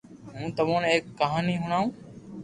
ھون تمو ني ايڪ ڪہاني ھڻاو